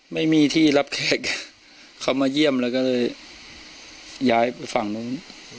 ไม่มีที่รับแขกเขามาเยี่ยมแล้วก็เลยย้ายไปฝั่งนู้น